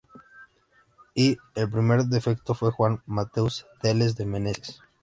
Y, el primer prefecto fue Juán Matheus Teles de Menezes.